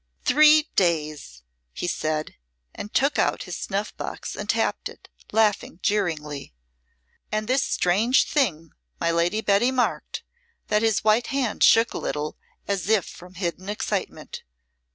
"Three days!" he said, and took out his snuff box and tapped it, laughing jeeringly. And this strange thing my Lady Betty marked, that his white hand shook a little as if from hidden excitement.